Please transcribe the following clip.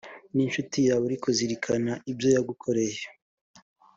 n incuti yawe ariko zirikana ibyo yagukoreye